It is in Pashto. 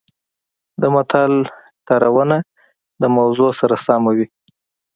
د متل کارونه د موضوع سره سمه وي